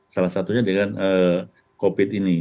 salah satunya dengan covid ini